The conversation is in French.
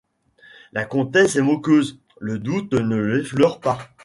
La comtesse est moqueuse, le doute ne l’effleure pas.